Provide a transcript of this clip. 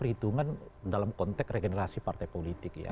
itu kan dalam konteks regenerasi partai politik ya